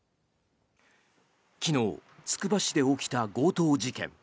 昨日、つくば市で起きた強盗事件。